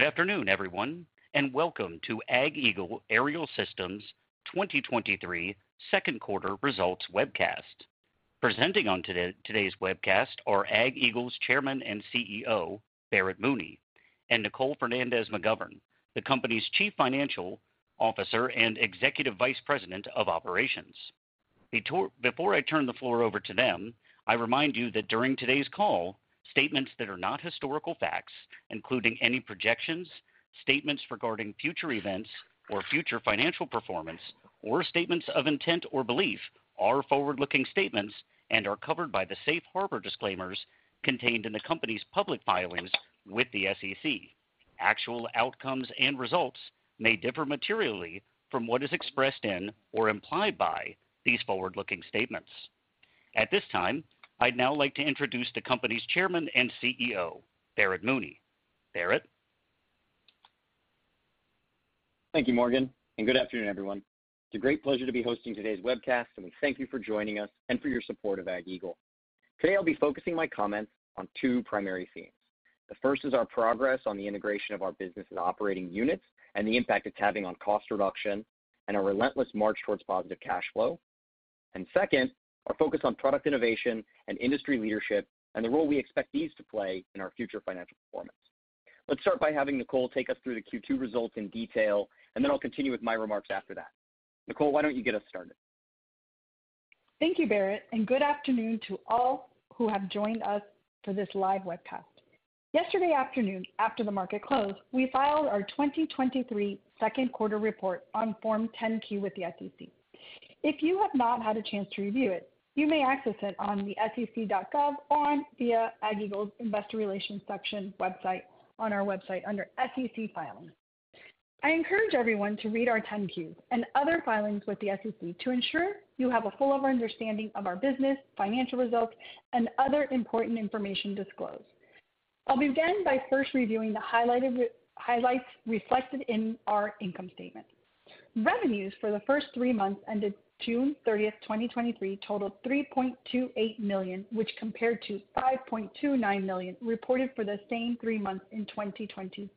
Good afternoon, everyone, and welcome to AgEagle Aerial Systems' 2023 second quarter results webcast. Presenting today's webcast are AgEagle's Chairman and CEO, Barrett Mooney, and Nicole Fernandez-McGovern, the company's Chief Financial Officer and Executive Vice President of Operations. Before I turn the floor over to them, I remind you that during today's call, statements that are not historical facts, including any projections, statements regarding future events or future financial performance, or statements of intent or belief, are forward-looking statements and are covered by the safe harbor disclaimers contained in the company's public filings with the SEC. Actual outcomes and results may differ materially from what is expressed in or implied by these forward-looking statements. At this time, I'd now like to introduce the company's Chairman and CEO, Barrett Mooney. Barrett? Thank you, Morgan, and good afternoon, everyone. It's a great pleasure to be hosting today's webcast, and we thank you for joining us and for your support of AgEagle. Today, I'll be focusing my comments on two primary themes. The first is our progress on the integration of our business and operating units and the impact it's having on cost reduction and our relentless march towards positive cash flow. Second, our focus on product innovation and industry leadership and the role we expect these to play in our future financial performance. Let's start by having Nicole take us through the Q2 results in detail, and then I'll continue with my remarks after that. Nicole, why don't you get us started? Thank you, Barrett. Good afternoon to all who have joined us for this live webcast. Yesterday afternoon, after the market closed, we filed our 2023 second quarter report on Form 10-Q with the SEC. If you have not had a chance to review it, you may access it on the sec.gov or via AgEagle's Investor Relations section website on our website under SEC Filings. I encourage everyone to read our 10-Q and other filings with the SEC to ensure you have a full understanding of our business, financial results, and other important information disclosed. I'll begin by first reviewing the highlights reflected in our income statement. Revenues for the first three months ended June 30th, 2023, totaled $3.28 million, which compared to $5.29 million reported for the same three months in 2022.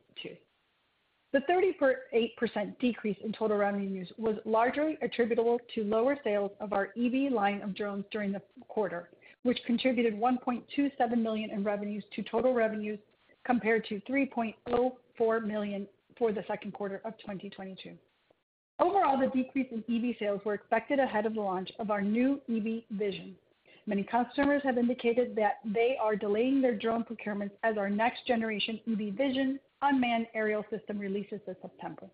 The 38% decrease in total revenues was largely attributable to lower sales of our eBee line of drones during the quarter, which contributed $1.27 million in revenues to total revenues, compared to $3.04 million for the second quarter of 2022. Overall, the decrease in eBee sales were expected ahead of the launch of our new eBee VISION. Many customers have indicated that they are delaying their drone procurements as our next generation eBee VISION unmanned aerial system releases this September.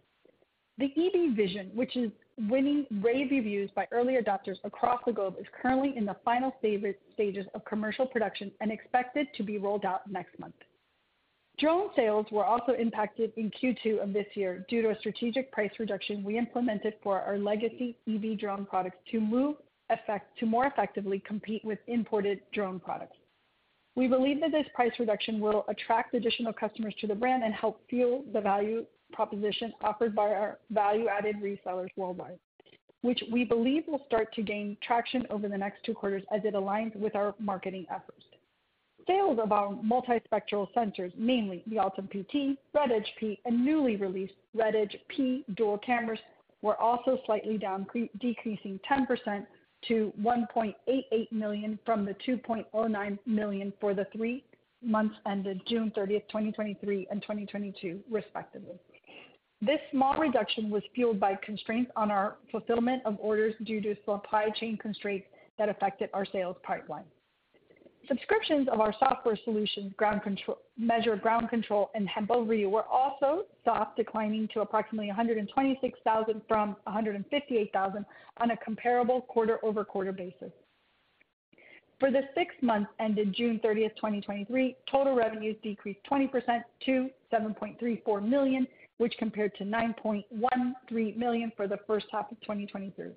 The eBee VISION, which is winning rave reviews by early adopters across the globe, is currently in the final stages of commercial production and expected to be rolled out next month. Drone sales were also impacted in Q2 of this year due to a strategic price reduction we implemented for our legacy eBee drone products to more effectively compete with imported drone products. We believe that this price reduction will attract additional customers to the brand and help fuel the value proposition offered by our value-added resellers worldwide, which we believe will start to gain traction over the next two quarters as it aligns with our marketing efforts. Sales of our multispectral sensors, mainly the Altum-PT, RedEdge-P, and newly released RedEdge-P Dual cameras, were also slightly down, decreasing 10% to $1.88 million from the $2.09 million for the three months ended June 30th, 2023 and 2022, respectively. This small reduction was fueled by constraints on our fulfillment of orders due to supply chain constraints that affected our sales pipeline. Subscriptions of our software solutions, Ground Control-- Measure Ground Control, and HempOverview, were also soft, declining to approximately $126,000 from $158,000 on a comparable quarter-over-quarter basis. For the six months ended June 30th, 2023, total revenues decreased 20% to $7.34 million, which compared to $9.13 million for the first half of 2023.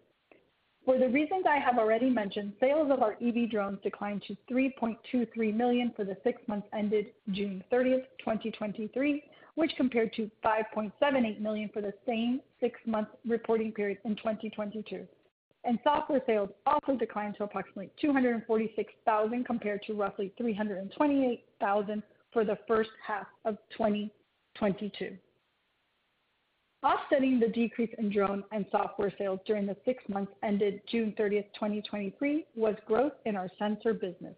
For the reasons I have already mentioned, sales of our eBee drones declined to $3.23 million for the six months ended June 30th, 2023, which compared to $5.78 million for the same six-month reporting period in 2022. Software sales also declined to approximately $246,000, compared to roughly $328,000 for the first half of 2022. Offsetting the decrease in drone and software sales during the six months ended June 30th, 2023, was growth in our sensor business,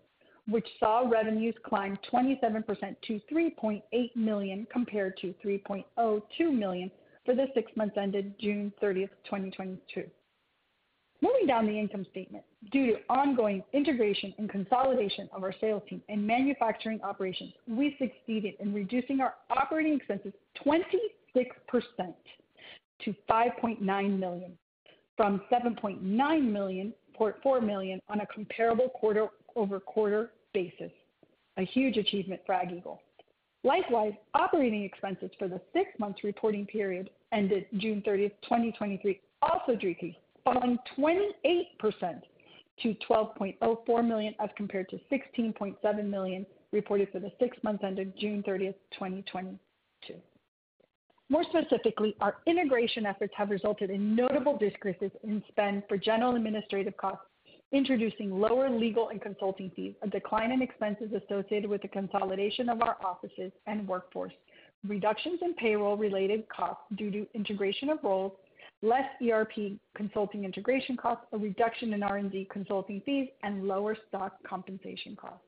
which saw revenues climb 27% to $3.8 million, compared to $3.02 million for the six months ended June 30th, 2022. Moving down the income statement, due to ongoing integration and consolidation of our sales team and manufacturing operations, we succeeded in reducing our operating expenses 26% to $5.9 million, from $7.9 million, $0.4 million on a comparable quarter-over-quarter basis. A huge achievement for AgEagle. Likewise, operating expenses for the six-month reporting period ended June 30th, 2023, also decreased, falling 28% to $12.04 million, as compared to $16.7 million reported for the six months ended June 30th, 2022. More specifically, our integration efforts have resulted in notable discrepancies in spend for general administrative costs, introducing lower legal and consulting fees, a decline in expenses associated with the consolidation of our offices and workforce, reductions in payroll-related costs due to integration of roles, less ERP consulting integration costs, a reduction in R&D consulting fees, and lower stock compensation costs.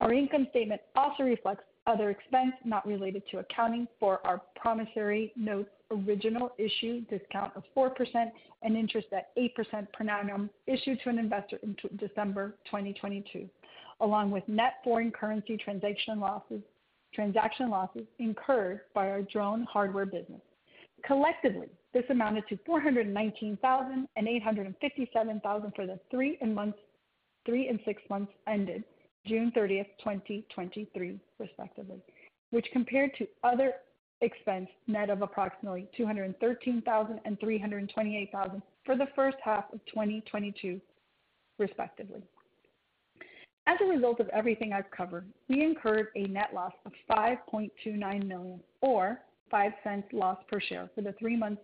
Our income statement also reflects other expense not related to accounting for our promissory note, original issue discount of 4% and interest at 8% per annum, issued to an investor in December 2022, along with net foreign currency transaction losses, transaction losses incurred by our drone hardware business. Collectively, this amounted to $419,000 and $857,000 for the three and six months ended June 30th, 2023, respectively, which compared to other expense net of approximately $213,000 and $328,000 for the first half of 2022, respectively. As a result of everything I've covered, we incurred a net loss of $5.29 million, or $0.05 loss per share for the three months,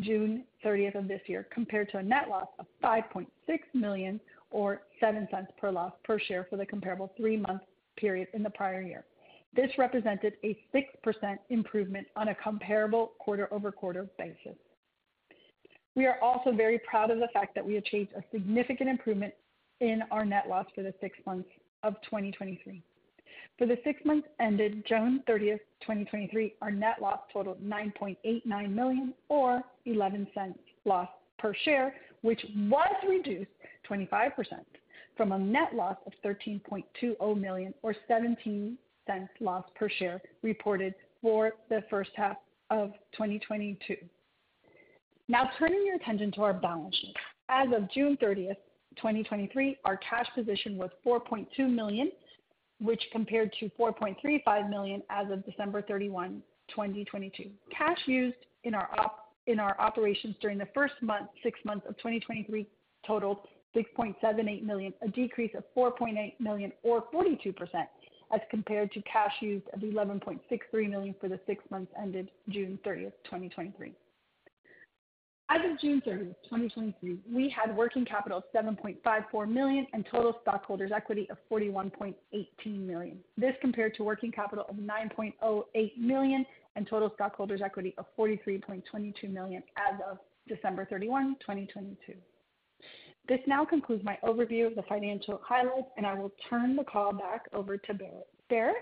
June 30th of this year, compared to a net loss of $5.6 million, or $0.07 per loss per share for the comparable three-month period in the prior year. This represented a 6% improvement on a comparable quarter-over-quarter basis. We are also very proud of the fact that we achieved a significant improvement in our net loss for the six months of 2023. For the six months ended June 30th, 2023, our net loss totaled $9.89 million, or $0.11 loss per share, which was reduced 25% from a net loss of $13.20 million, or $0.17 loss per share, reported for the first half of 2022. Now, turning your attention to our balance sheet. As of June 30th, 2023, our cash position was $4.2 million, which compared to $4.35 million as of December 31, 2022. Cash used in our operations during the six months of 2023 totaled $6.78 million, a decrease of $4.8 million, or 42%, as compared to cash used of $11.63 million for the six months ended June 30th, 2023. As of June 30th, 2023, we had working capital of $7.54 million and total stockholders' equity of $41.18 million. This compared to working capital of $9.08 million and total stockholders' equity of $43.22 million as of December 31, 2022. This now concludes my overview of the financial highlights, I will turn the call back over to Barrett. Barrett?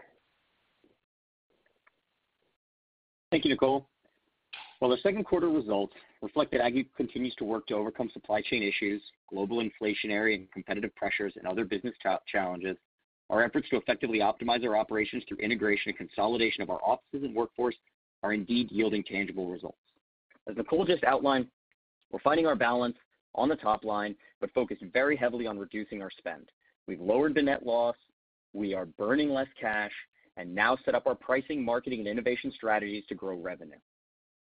Thank you, Nicole. While the second quarter results reflect that AgEagle continues to work to overcome supply chain issues, global inflationary and competitive pressures and other business challenges, our efforts to effectively optimize our operations through integration and consolidation of our offices and workforce are indeed yielding tangible results. As Nicole just outlined, we're finding our balance on the top line, focused very heavily on reducing our spend. We've lowered the net loss, we are burning less cash, now set up our pricing, marketing, and innovation strategies to grow revenue.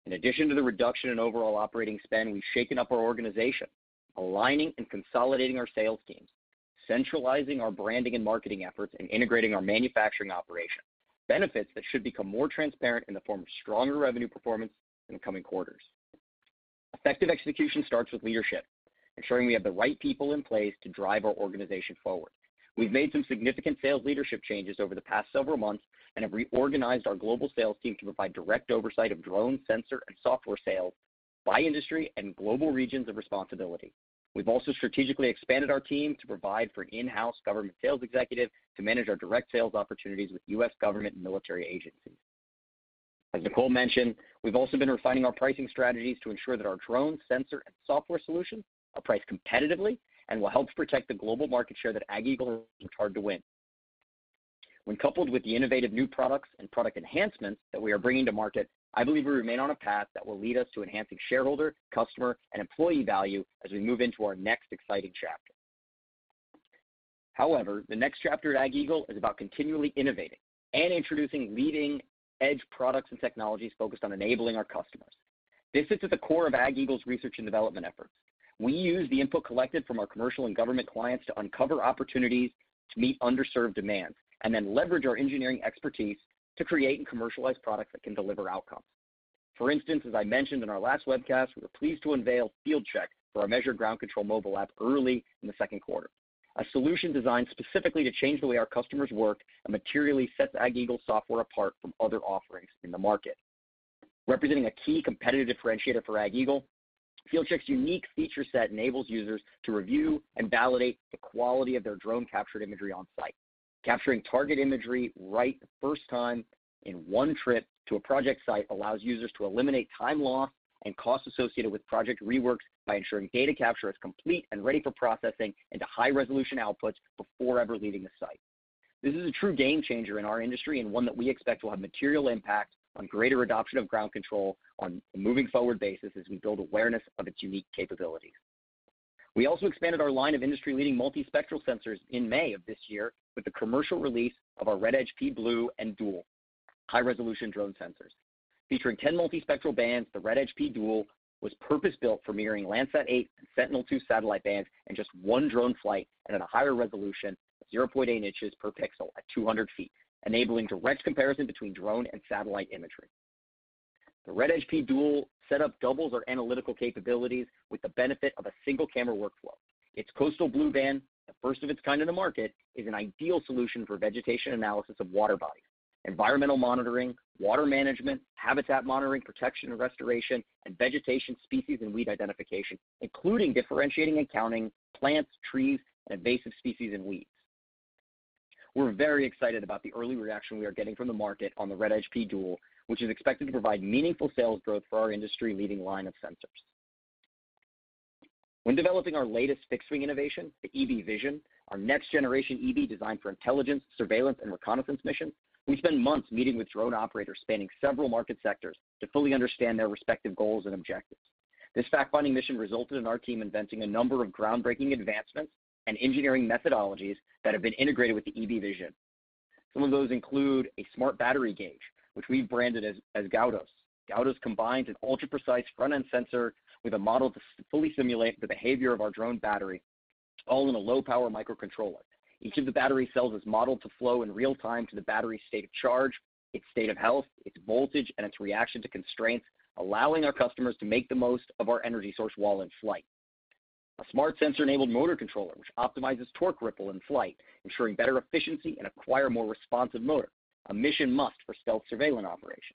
In addition to the reduction in overall operating spend, we've shaken up our organization, aligning and consolidating our sales teams, centralizing our branding and marketing efforts, and integrating our manufacturing operations, benefits that should become more transparent in the form of stronger revenue performance in the coming quarters. Effective execution starts with leadership, ensuring we have the right people in place to drive our organization forward. We've made some significant sales leadership changes over the past several months and have reorganized our global sales team to provide direct oversight of drone, sensor, and software sales by industry and global regions of responsibility. We've also strategically expanded our team to provide for in-house government sales executive to manage our direct sales opportunities with U.S. government and military agencies. As Nicole mentioned, we've also been refining our pricing strategies to ensure that our drone, sensor, and software solutions are priced competitively and will help protect the global market share that AgEagle has worked hard to win. When coupled with the innovative new products and product enhancements that we are bringing to market, I believe we remain on a path that will lead us to enhancing shareholder, customer, and employee value as we move into our next exciting chapter. However, the next chapter at AgEagle is about continually innovating and introducing leading-edge products and technologies focused on enabling our customers. This sits at the core of AgEagle's research and development efforts. We use the input collected from our commercial and government clients to uncover opportunities to meet underserved demands, and then leverage our engineering expertise to create and commercialize products that can deliver outcomes. For instance, as I mentioned in our last webcast, we were pleased to unveil Field Check for our Measure Ground Control mobile app early in the second quarter, a solution designed specifically to change the way our customers work and materially sets AgEagle software apart from other offerings in the market. Representing a key competitive differentiator for AgEagle, Field Check's unique feature set enables users to review and validate the quality of their drone-captured imagery on site. Capturing target imagery right the first time in one trip to a project site allows users to eliminate time loss and costs associated with project reworks by ensuring data capture is complete and ready for processing into high-resolution outputs before ever leaving the site. This is a true game changer in our industry, and one that we expect will have material impact on greater adoption of Ground Control on a moving forward basis as we build awareness of its unique capabilities. We also expanded our line of industry-leading multispectral sensors in May of this year with the commercial release of our RedEdge-P Blue and RedEdge-P Dual high-resolution drone sensors. Featuring 10 multispectral bands, the RedEdge-P Dual was purpose-built for mirroring Landsat 8 and Sentinel-2 satellite bands in just one drone flight and at a higher resolution of 0.8 in per pixel at 200 ft, enabling direct comparison between drone and satellite imagery. The RedEdge-P Dual setup doubles our analytical capabilities with the benefit of a single-camera workflow. Its coastal blue band, the first of its kind in the market, is an ideal solution for vegetation analysis of water bodies, environmental monitoring, water management, habitat monitoring, protection and restoration, and vegetation, species, and weed identification, including differentiating and counting plants, trees, and invasive species and weeds. We're very excited about the early reaction we are getting from the market on the RedEdge-P Dual, which is expected to provide meaningful sales growth for our industry-leading line of sensors. When developing our latest fixed-wing innovation, the eBee VISION, our next-generation eV designed for intelligence, surveillance, and reconnaissance missions, we spent months meeting with drone operators spanning several market sectors to fully understand their respective goals and objectives. This fact-finding mission resulted in our team inventing a number of groundbreaking advancements and engineering methodologies that have been integrated with the eBee VISION. Some of those include a smart battery gauge, which we've branded as Gaudos. Gaudos combines an ultra-precise front-end sensor with a model to fully simulate the behavior of our drone battery, all in a low-power microcontroller. Each of the battery cells is modeled to flow in real time to the battery's state of charge, its state of health, its voltage, and its reaction to constraints, allowing our customers to make the most of our energy source while in flight. A smart, sensor-enabled motor controller, which optimizes torque ripple in flight, ensuring better efficiency and a quieter, more responsive motor, a mission must for stealth surveillance operations.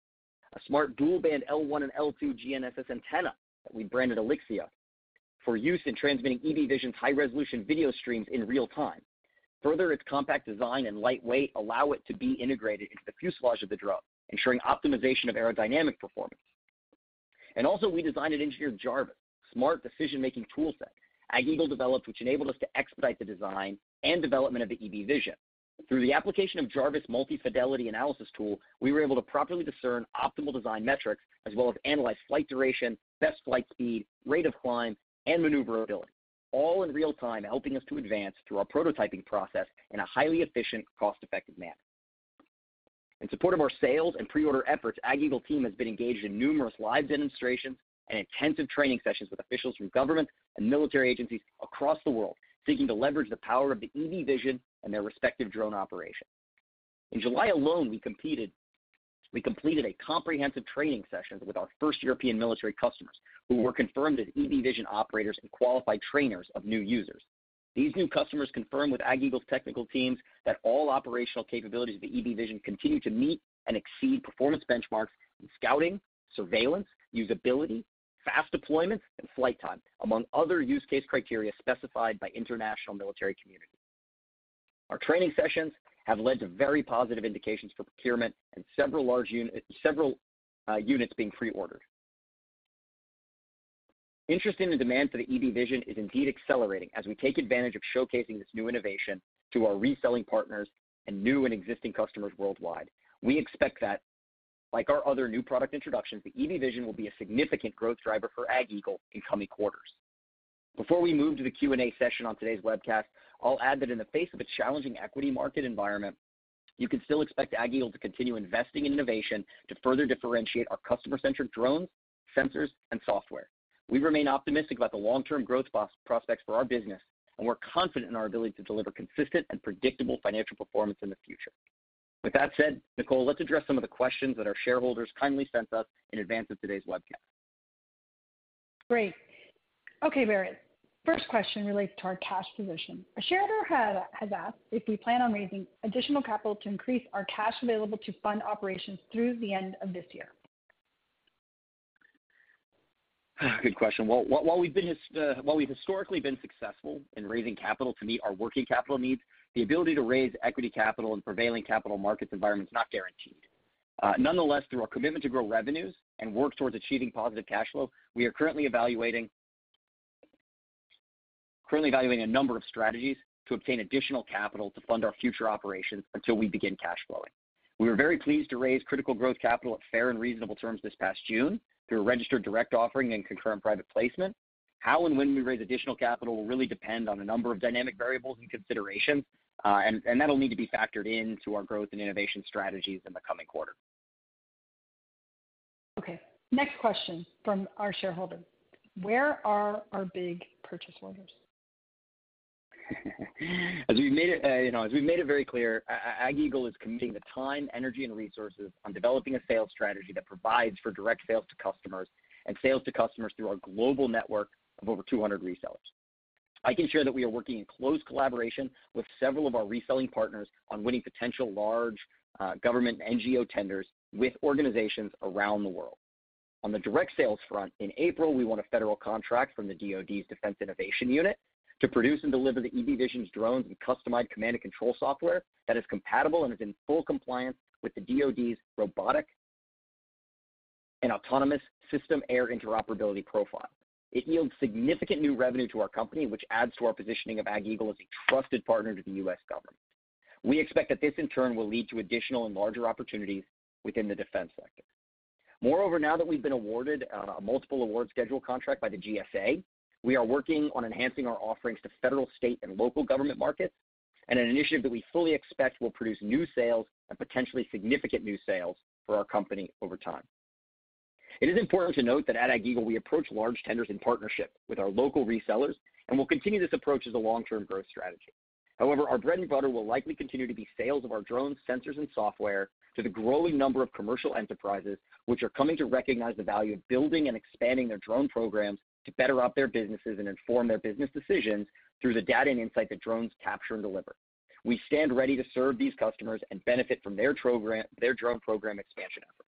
A smart dual-band L1 and L2 GNSS antenna that we branded Elixia, for use in transmitting eBee VISION's high-resolution video streams in real time. Further, its compact design and light weight allow it to be integrated into the fuselage of the drone, ensuring optimization of aerodynamic performance. Also, we designed and engineered Jarvis, a smart decision-making toolset AgEagle developed, which enabled us to expedite the design and development of the eBee VISION. Through the application of Jarvis' multi-fidelity analysis tools, we were able to properly discern optimal design metrics, as well as analyze flight duration, best flight speed, rate of climb, and maneuverability, all in real time, helping us to advance through our prototyping process in a highly efficient, cost-effective manner. In support of our sales and pre-order efforts, AgEagle team has been engaged in numerous live demonstrations and intensive training sessions with officials from government and military agencies across the world, seeking to leverage the power of the eBee VISION and their respective drone operations. In July alone, we completed a comprehensive training session with our first European military customers, who were confirmed as eBee VISION operators and qualified trainers of new users. These new customers confirmed with AgEagle's technical teams that all operational capabilities of the eBee VISION continue to meet and exceed performance benchmarks in scouting, surveillance, usability, fast deployment, and flight time, among other use case criteria specified by international military communities. Our training sessions have led to very positive indications for procurement and several units being pre-ordered. Interest in the demand for the eBee VISION is indeed accelerating as we take advantage of showcasing this new innovation to our reselling partners and new and existing customers worldwide. We expect that, like our other new product introductions, the eBee VISION will be a significant growth driver for AgEagle in coming quarters. Before we move to the Q&A session on today's webcast, I'll add that in the face of a challenging equity market environment, you can still expect AgEagle to continue investing in innovation to further differentiate our customer-centric drones, sensors, and software. We remain optimistic about the long-term growth prospects for our business, and we're confident in our ability to deliver consistent and predictable financial performance in the future. With that said, Nicole, let's address some of the questions that our shareholders kindly sent us in advance of today's webcast. Great. Okay, Barrett, first question relates to our cash position. A shareholder has asked if we plan on raising additional capital to increase our cash available to fund operations through the end of this year? Good question. Well, while, while we've been, while we've historically been successful in raising capital to meet our working capital needs, the ability to raise equity capital in prevailing capital markets environments is not guaranteed. Nonetheless, through our commitment to grow revenues and work towards achieving positive cash flow, we are currently evaluating, currently evaluating a number of strategies to obtain additional capital to fund our future operations until we begin cash flowing. We were very pleased to raise critical growth capital at fair and reasonable terms this past June through a registered direct offering and concurrent private placement. How and when we raise additional capital will really depend on a number of dynamic variables and considerations, and, and that'll need to be factored into our growth and innovation strategies in the coming quarter. Okay, next question from our shareholder: Where are our big purchase orders? As we've made it, you know, as we've made it very clear, AgEagle is committing the time, energy, and resources on developing a sales strategy that provides for direct sales to customers and sales to customers through our global network of over 200 resellers. I can share that we are working in close collaboration with several of our reselling partners on winning potential large, government and NGO tenders with organizations around the world. On the direct sales front, in April, we won a federal contract from the DoD's Defense Innovation Unit to produce and deliver the eBee VISION's drones and customized command and control software that is compatible and is in full compliance with the DoD's Robotic and Autonomous System-Air Interoperability Profile. It yields significant new revenue to our company, which adds to our positioning of AgEagle as a trusted partner to the U.S. government. We expect that this, in turn, will lead to additional and larger opportunities within the defense sector. Now that we've been awarded a Multiple Award Schedule contract by the GSA, we are working on enhancing our offerings to federal, state, and local government markets in an initiative that we fully expect will produce new sales and potentially significant new sales for our company over time. It is important to note that at AgEagle, we approach large tenders in partnership with our local resellers, and we'll continue this approach as a long-term growth strategy.... However, our bread and butter will likely continue to be sales of our drones, sensors, and software to the growing number of commercial enterprises, which are coming to recognize the value of building and expanding their drone programs to better up their businesses and inform their business decisions through the data and insight that drones capture and deliver. We stand ready to serve these customers and benefit from their drone program expansion efforts.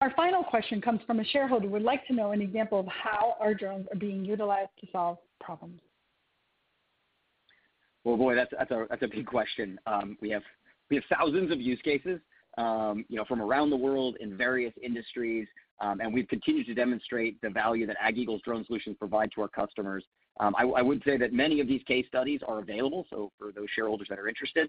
Our final question comes from a shareholder who would like to know an example of how our drones are being utilized to solve problems. Well, boy, that's, that's a, that's a big question. We have, we have thousands of use cases, you know, from around the world in various industries. We've continued to demonstrate the value that AgEagle's drone solutions provide to our customers. I would say that many of these case studies are available, so for those shareholders that are interested,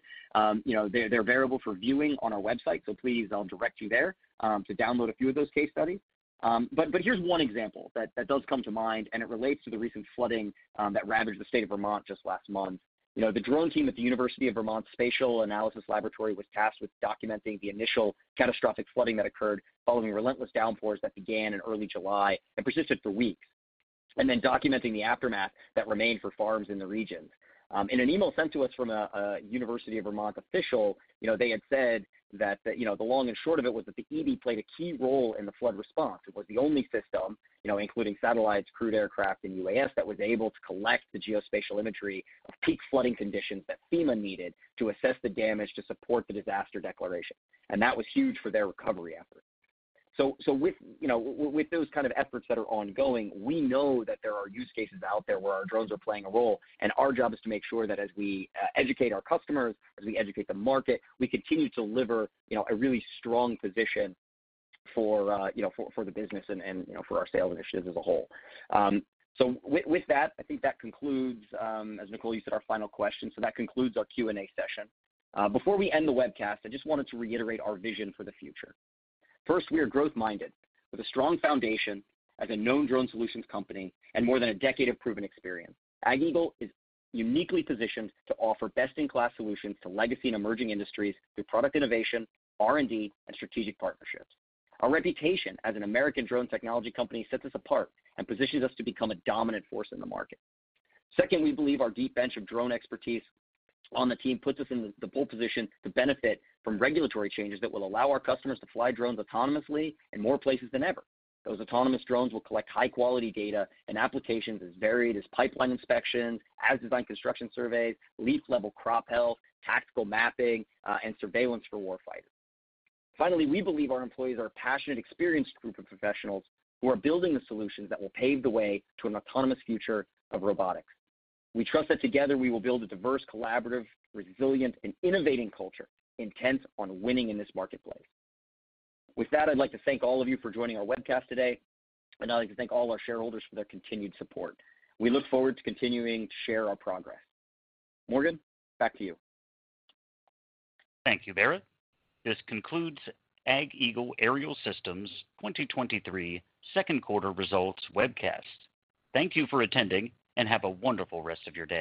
you know, they're, they're available for viewing on our website. Please, I'll direct you there to download a few of those case studies. But here's one example that, that does come to mind, and it relates to the recent flooding that ravaged the state of Vermont just last month. You know, the drone team at the University of Vermont Spatial Analysis Laboratory was tasked with documenting the initial catastrophic flooding that occurred following relentless downpours that began in early July and persisted for weeks, then documenting the aftermath that remained for farms in the region. In an email sent to us from a, a University of Vermont official, you know, they had said that the, you know, the long and short of it was that the eBee played a key role in the flood response. It was the only system, you know, including satellites, crewed aircraft, and UAS, that was able to collect the geospatial imagery of peak flooding conditions that FEMA needed to assess the damage to support the disaster declaration. That was huge for their recovery efforts. With, you know, with those kind of efforts that are ongoing, we know that there are use cases out there where our drones are playing a role. Our job is to make sure that as we educate our customers, as we educate the market, we continue to deliver, you know, a really strong position for, you know, for, for the business and, and, you know, for our sales initiatives as a whole. With that, I think that concludes, as Nicole, you said, our final question, so that concludes our Q&A session. Before we end the webcast, I just wanted to reiterate our vision for the future. First, we are growth-minded. With a strong foundation as a known drone solutions company and more than a decade of proven experience, AgEagle is uniquely positioned to offer best-in-class solutions to legacy and emerging industries through product innovation, R&D, and strategic partnerships. Our reputation as an American drone technology company sets us apart and positions us to become a dominant force in the market. Second, we believe our deep bench of drone expertise on the team puts us in the pole position to benefit from regulatory changes that will allow our customers to fly drones autonomously in more places than ever. Those autonomous drones will collect high-quality data in applications as varied as pipeline inspections, as-designed construction surveys, leaf-level crop health, tactical mapping, and surveillance for war fighters. Finally, we believe our employees are a passionate, experienced group of professionals who are building the solutions that will pave the way to an autonomous future of robotics. We trust that together we will build a diverse, collaborative, resilient, and innovating culture intent on winning in this marketplace. With that, I'd like to thank all of you for joining our webcast today, and I'd like to thank all our shareholders for their continued support. We look forward to continuing to share our progress. Morgan, back to you. Thank you, Barrett. This concludes AgEagle Aerial Systems' 2023 second quarter results webcast. Thank you for attending, and have a wonderful rest of your day.